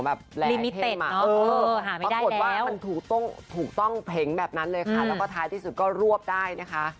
แดกแดกอืมหาไม่ได้แล้วมันถูกต้องเห็งแบบนั้นเลยค่ะแล้วก็ท้ายที่สุดก็รวบได้นะคะ